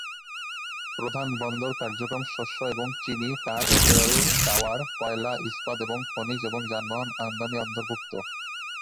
প্রধান বন্দর কার্যক্রম শস্য এবং চিনি, কাঠ, তেল টাওয়ার, কয়লা, ইস্পাত এবং খনিজ, এবং যানবাহন আমদানী অন্তর্ভুক্ত।